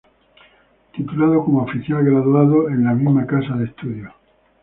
Titulado como Oficial Graduado en la misma casa de estudios.